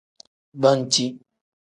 Banci.